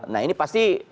nah ini pasti